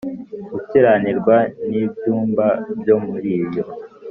gukiranirwa n ibyumba byo muri yo